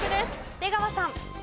出川さん。